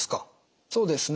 そうですね。